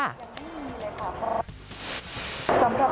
สวยมากจริงนะครับ